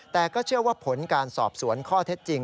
แต่ก็เชื่อว่าผลการสอบสวนข้อเท็จจริง